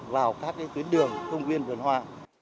vào các tuyến đường thông viên vườn hoa